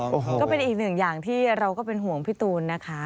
โอ้โหก็เป็นอีกหนึ่งอย่างที่เราก็เป็นห่วงพี่ตูนนะคะ